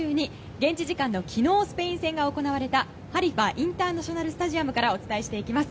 現地時間の昨日スペイン戦が行われたハリファ・インターナショナル・スタジアムからお伝えしていきます。